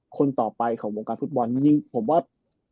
คนต่อไปของวงการฟุตบอลจริงผมว่า